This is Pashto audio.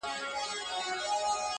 زما پر تا باندي اوس لس زره روپۍ دي -